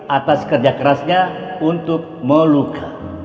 atas kerja kerasnya untuk meluka